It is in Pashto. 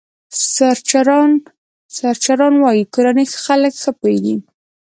سرچران وايي کورني خلک ښه پوهېږي.